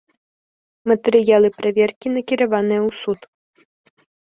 Матэрыялы праверкі накіраваныя ў суд.